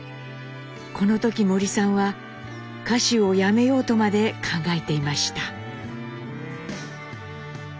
この時森さんは歌手をやめようとまで考えていました。